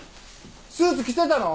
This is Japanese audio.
スーツ着てたの？